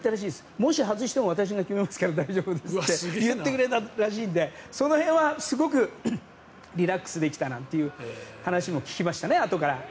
もし外しても私が決めますから大丈夫ですと言ってくれたらしいのでその辺でリラックスできたなんていう話も聞きましたね、あとから。